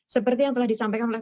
seperti yang telah disampaikan oleh